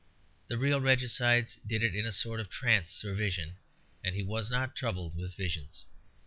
The real regicides did it in a sort of trance or vision; and he was not troubled with visions.